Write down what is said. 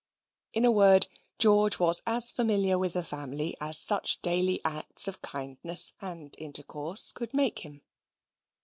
In a word, George was as familiar with the family as such daily acts of kindness and intercourse could make him.